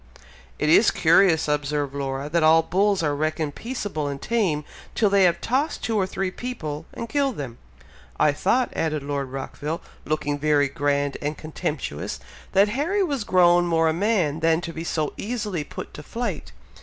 "It is curious," observed Laura, "that all bulls are reckoned peaceable and tame, till they have tossed two or three people, and killed them!" "I thought," added Lord Rockville, looking very grand and contemptuous, "that Harry was grown more a man than to be so easily put to flight.